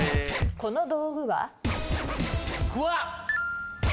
この道具は？